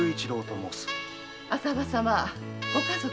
浅葉様ご家族は？